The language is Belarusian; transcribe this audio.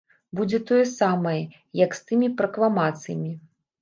Будзе тое самае, як з тымі пракламацыямі.